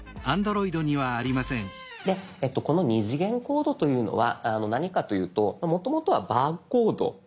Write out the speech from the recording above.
でこの２次元コードというのは何かというともともとはバーコード。